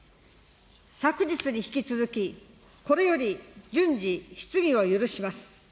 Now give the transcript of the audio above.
昨日に引き続き、これより順次、質疑を許します。